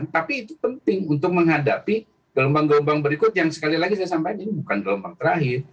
tapi itu penting untuk menghadapi gelombang gelombang berikut yang sekali lagi saya sampaikan ini bukan gelombang terakhir